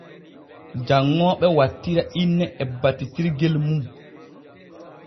Janŋooɓe wattira inne e battitirgel mum.